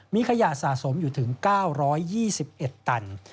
มีขยะสะสมอยู่ถึง๙๒๑ตัน